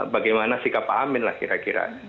bagaimana sikap pak amin lah kira kira